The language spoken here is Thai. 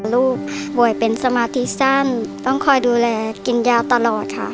ลูกป่วยเป็นสมาธิสั้นต้องคอยดูแลกินยาตลอดค่ะ